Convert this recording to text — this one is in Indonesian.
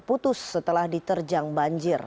putus setelah diterjang banjir